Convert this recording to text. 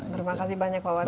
terima kasih banyak wawan